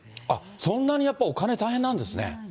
そんなにやっぱりお金、大変なんですね。